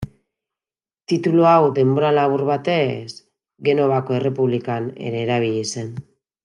Titulu hau, denbora labur batez, Genovako Errepublikan ere erabili zen.